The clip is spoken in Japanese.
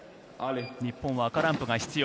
日本は赤ランプが必要。